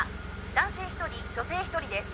「男性１人女性１人です」